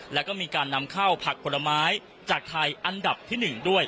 แล้วก็มีการนำเข้าผักผลไม้จากไทยอันดับที่๑ด้วย